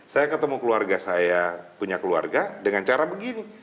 saya ketemu keluarga saya punya keluarga dengan cara begini